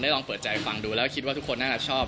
ลองเปิดใจฟังดูแล้วคิดว่าทุกคนน่าจะชอบ